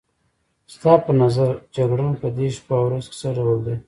ستا په نظر جګړن په دې شپو او ورځو کې څه ډول دی؟